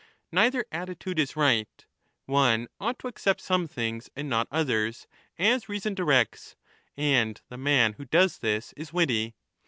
Neither attitude is right ; one ought to accept some things and not others, as reason directs — and the man who does this is witty.